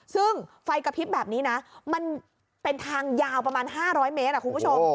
ซึ่งไฟกระพริบแบบนี้นะมันเป็นทางยาวประมาณ๕๐๐เมตรคุณผู้ชม